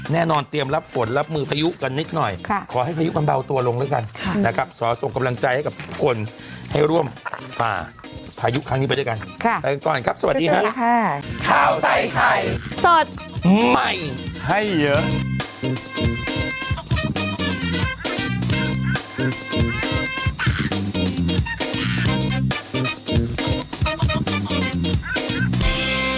ไปก่อนครับสวัสดีค่ะสวัสดีค่ะข้าวใส่ไข่สดใหม่ให้เยอะ